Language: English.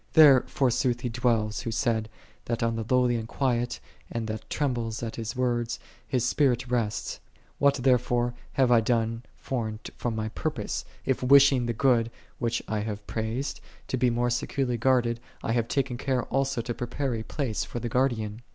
There forsooth He dwelleth, Who said, that on the lowly and quiet, and that trembleth at His words, His Spirit resteth.7 What, therefore, have I done foreign from my purpose, if wishing the good, which I have praisejd, to be more securely guarded, I have taken care also to prepare a place for the Guardian